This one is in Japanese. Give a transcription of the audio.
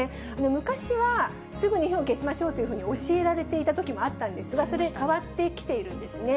昔はすぐに火を消しましょうというふうに教えられていたときもあったんですが、それ、変わってきているんですね。